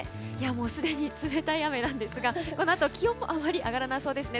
すでに冷たい雨なんですがこのあと、気温もあまり上がらなそうですね。